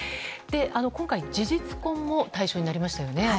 今回、事実婚も対象になりましたよね。